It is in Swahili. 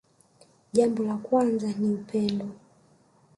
Jambo la kwanza ni upendo